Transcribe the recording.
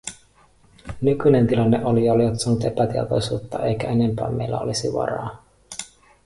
Nykyinen tilanne oli jo lietsonut epätietoisuutta, eikä enempään meillä olisi varaa.